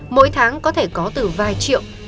mỗi tháng có thể có từ vài triệu